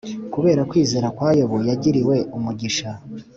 kubera kwizera kwa yobu yagiriwe umugisha